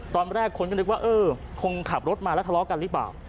ตอนแรกคนก็ก็คงดึงว่าเออคงขับรถมาแล้วตลอกกันหรือเปล่า